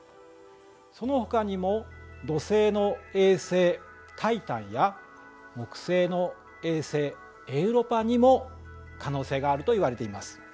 そのほかにも土星の衛星タイタンや木星の衛星エウロパにも可能性があるといわれています。